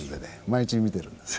毎日見てるんです。